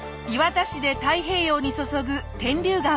磐田市で太平洋に注ぐ天竜川。